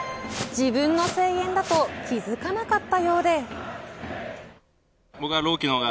自分の声援だと気付かなかったようで。